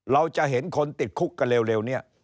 เราจะเห็นคนติดคุกกันเร็วเนี่ย